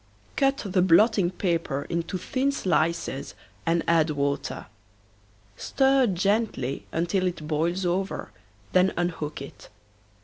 Cut the blotting paper into thin slices and add water. Stir gently until it boils over then unhook it.